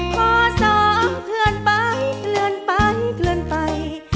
พอสองเคลื่อนไปเกลือนไปเกลือนไป